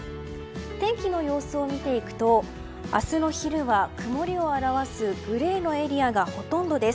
天気の様子を見ていくと明日の昼は曇りを表すグレーのエリアがほとんどです。